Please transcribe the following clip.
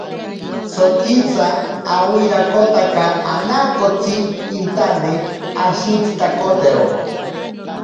Sotitsa owirakotaka anaakotsi intane ashintsitakotero.